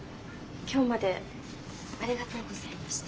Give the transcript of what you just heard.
今日までありがとうございました。